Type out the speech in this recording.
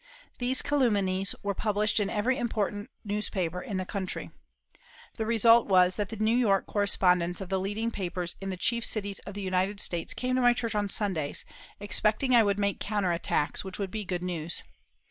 These calumnies were published in every important newspaper in the country. The result was that the New York correspondents of the leading papers in the chief cities of the United States came to my church on Sundays, expecting I would make counter attacks, which would be good news.